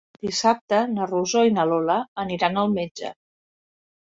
Dissabte na Rosó i na Lola aniran al metge.